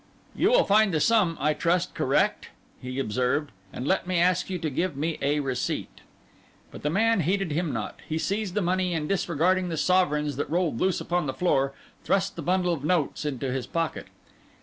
'You will find the sum, I trust, correct,' he observed 'and let me ask you to give me a receipt.' But the man heeded him not. He seized the money, and disregarding the sovereigns that rolled loose upon the floor, thrust the bundle of notes into his pocket.